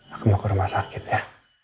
aku mau ke rumah sakit ya